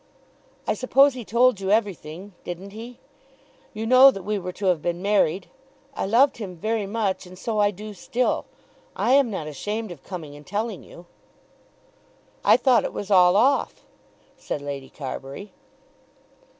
"I suppose he told you everything; didn't he? You know that we were to have been married? I loved him very much, and so I do still. I am not ashamed of coming and telling you." "I thought it was all off," said Lady Carbury.